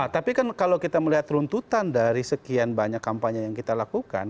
tapi kan kalau kita melihat runtutan dari sekian banyak kampanye yang kita lakukan